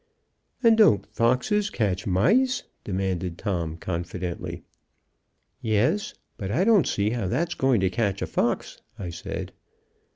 "And don't foxes catch mice?" demanded Tom, confidently. "Yes, but I don't see how that's going to catch the fox," I said.